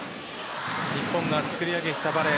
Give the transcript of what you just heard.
日本が作り上げたバレー